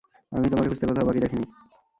আমি তোমাকে খুঁজতে কোথাও বাকি রাখিনি।